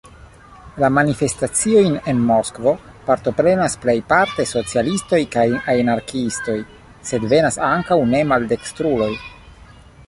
La manifestaciojn en Moskvo partoprenas plejparte socialistoj kaj anarkiistoj, sed venas ankaŭ ne-maldekstruloj.